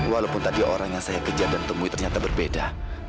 walaupun tadi orang yang saya kejar dan temui ternyata berbeda